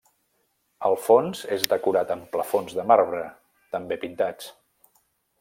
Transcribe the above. El fons és decorat amb plafons de marbre, també pintats.